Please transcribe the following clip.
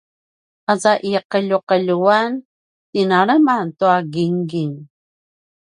aza i qeljuqeljuan tinaleman tua gingin